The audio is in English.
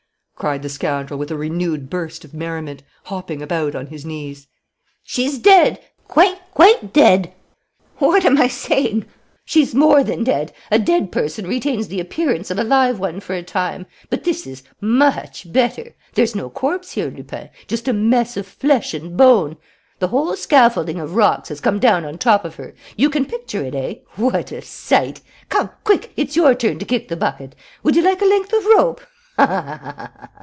cried the scoundrel, with a renewed burst of merriment, hopping about on his knees. "She's dead, quite, quite dead! What am I saying? She's more than dead! A dead person retains the appearance of a live one for a time; but this is much better: there's no corpse here, Lupin; just a mess of flesh and bone! "The whole scaffolding of rocks has come down on top of her! You can picture it, eh? What a sight! Come, quick, it's your turn to kick the bucket. Would you like a length of rope? Ha, ha, ha!